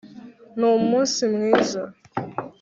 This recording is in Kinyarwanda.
numunsi mwiza.